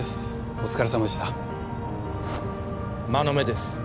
お疲れさまでした馬目です